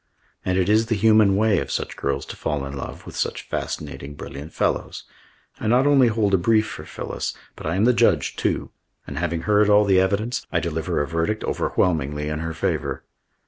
And it is the human way of such girls to fall in love with such fascinating, brilliant fellows. I not only hold a brief for Phyllis, but I am the judge, too, and having heard all the evidence, I deliver a verdict overwhelmingly in her favour.